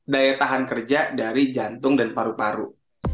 daya tahan kerja dari jantung dan paru paru